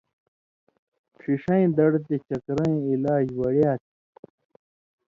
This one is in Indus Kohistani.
ݜِݜَیں دڑ تے چکرَیں علاج وڑیا تھی